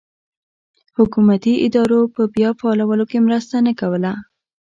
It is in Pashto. حکومتي ادارو په بیا فعالولو کې مرسته نه کوله.